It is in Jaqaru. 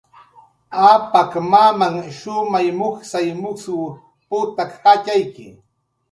Apak mamanh shumay mujsay mujsw putak jatxayki